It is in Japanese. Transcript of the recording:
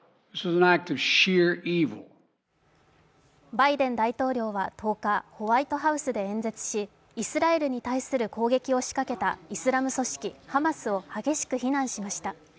バイデン大統領は１０日ホワイトハウスで演説しイスラエルに対する攻撃を仕掛けたイスラム組織ハマスを激しく非難しました。